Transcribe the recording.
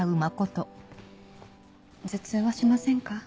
頭痛はしませんか？